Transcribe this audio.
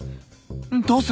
どうする！？